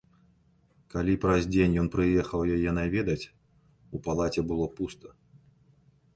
Калі праз дзень ён прыехаў яе наведаць, у палаце было пуста.